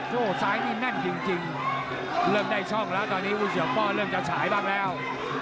โอ้โหซ้ายนี่แน่นจริงเริ่มได้ช่องแล้วตอนนี้คุณเสือป้อเริ่มจะฉายบ้างแล้ว